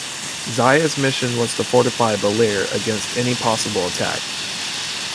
Zayas mission was to fortify Baler against any possible attack.